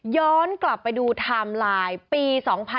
ย้อนกลับไปดูไทม์ไลน์ปี๒๕๖๒